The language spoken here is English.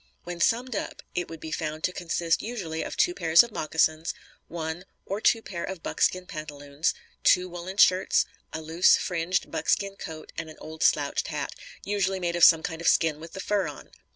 When summed up, it would be found to consist usually of two pairs of moccasins, one (or two pair) of buckskin pantaloons, two woollen shirts, a loose, fringed buckskin coat and an old slouched hat (usually made of some kind of skin with the fur on).